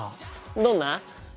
どんな？